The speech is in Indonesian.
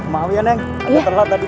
mau ya neng ada telat tadi